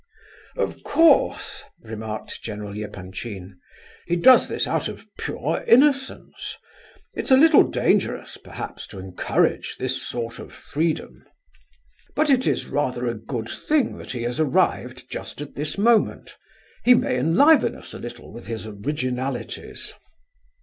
"Of course," remarked General Epanchin, "he does this out of pure innocence. It's a little dangerous, perhaps, to encourage this sort of freedom; but it is rather a good thing that he has arrived just at this moment. He may enliven us a little with his originalities."